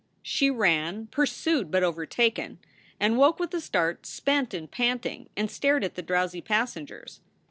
She ran, pursued but overtaken, and woke with a start, spent and panting, and stared at the drowsy passengers.